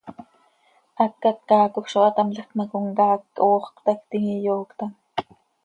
Hacat caacoj zo hatámlajc ma, comcaac quih hoox cötactim, iyooctam.